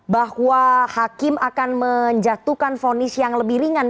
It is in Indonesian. bahwa hakim akan menjatuhkan fonis yang lebih ringan